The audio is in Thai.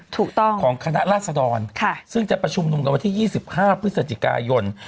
ถูกต้องของคณะราษดรซึ่งจะประชุมกันวันที่๒๕พฤศจิกายน